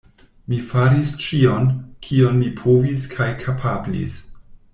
Mi faris ĉion, kion mi povis kaj kapablis.